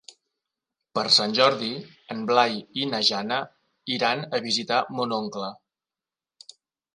Per Sant Jordi en Blai i na Jana iran a visitar mon oncle.